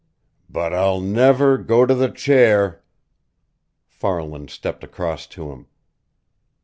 "But I'll never go to the chair!" Farland stepped across to him.